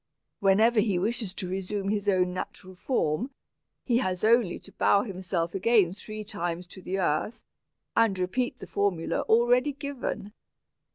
Whenever he wishes to resume his own natural form, he has only to bow himself again three times to the earth, and repeat the formula already given.